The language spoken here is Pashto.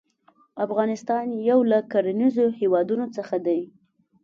افغانستان يو له کرنيزو هيوادونو څخه دى.